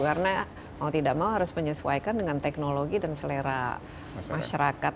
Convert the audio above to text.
karena mau tidak mau harus menyesuaikan dengan teknologi dan selera masyarakat